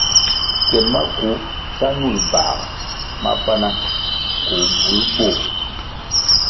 Kien maku sa ñul bvãhga mapana koh bvúl bőh.